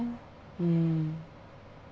うん。